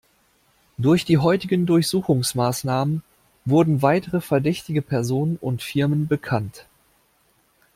Durch die heutigen Durchsuchungsmaßnahmen wurden weitere verdächtige Personen und Firmen bekannt.